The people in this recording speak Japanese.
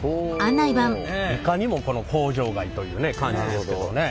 いかにもこの工場街というね感じですけどもね。